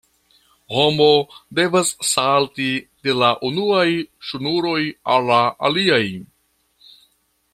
Homo devas salti de la unuaj ŝnuroj al la aliaj.